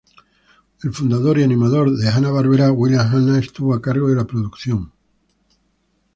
El fundador y animador de Hanna-Barbera, William Hanna, estuvo a cargo de la producción.